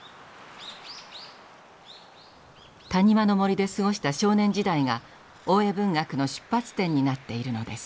谷間の森で過ごした少年時代が大江文学の出発点になっているのです。